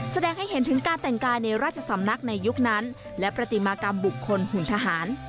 แสดงให้เห็นถึงการแต่งกายในราชสำนักในยุคนั้นและปฏิมากรรมบุคคลหุ่นทหาร